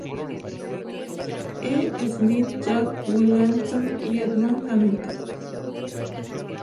E. Smith, Jack Williamson y Edmond Hamilton.